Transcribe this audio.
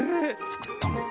造ったの？